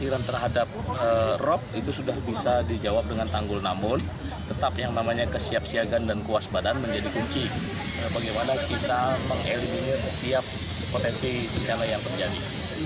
itu sudah bisa dijawab dengan tanggul namun tetap yang namanya kesiap siakan dan kuas badan menjadi kunci bagaimana kita mengelilingi setiap potensi yang terjadi